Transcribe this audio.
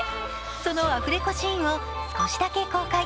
そのアフレコシーンを少しだけ公開。